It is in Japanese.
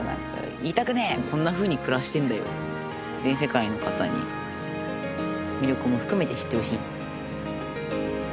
全世界の方に魅力も含めて知ってほしい。